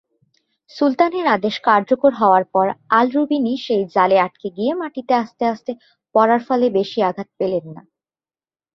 সুলতানের আদেশ কার্যকর হওয়ার পর আল-বিরুনি সেই জালে আটকে গিয়ে মাটিতে আস্তে পড়ার ফলে বেশি আঘাত পেলেন না।